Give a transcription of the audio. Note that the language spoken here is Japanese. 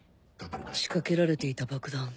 仕掛けられていた爆弾